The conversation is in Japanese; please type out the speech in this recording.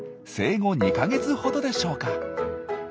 生後２か月ほどでしょうか。